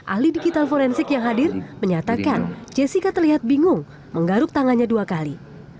ahli digital forensik yang hadir menyatakan jessica terlihat bingung menggaruk tangannya dua kali